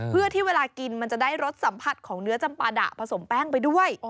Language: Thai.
เพื่อที่เวลากินมันจะได้รสสัมผัสของเนื้อจำปาดะผสมแป้งไปด้วย